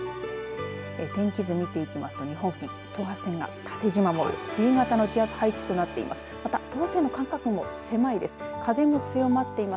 天気図、見ていきますと日本付近、等圧線が縦じま模様冬型の気圧配置となっています。